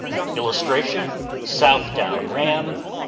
[Illustration: SOUTH DOWN RAM.